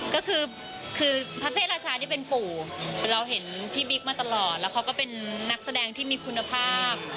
ก็คือคือพระเพศราชานี่เป็นปู่เราเห็นพี่บิ๊กมาตลอดแล้วเขาก็เป็นนักแสดงที่มีคุณภาพ